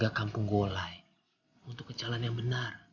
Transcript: saya juga kampung golai untuk kejalanan yang benar